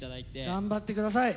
頑張って下さい。